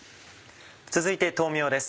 続いて豆苗です。